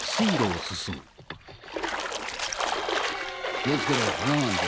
気を付けろ穴があるぞ。